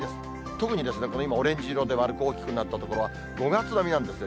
特に今オレンジ色で丸く大きくなった所は５月並みなんですね。